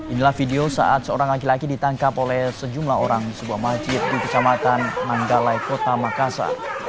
inilah video saat seorang laki laki ditangkap oleh sejumlah orang di sebuah masjid di kecamatan manggalai kota makassar